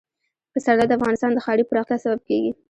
پسرلی د افغانستان د ښاري پراختیا سبب کېږي.